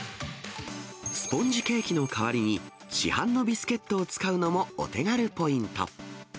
スポンジケーキの代わりに、市販のビスケットを使うのもお手軽ポイント。